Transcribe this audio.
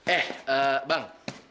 eh eh bang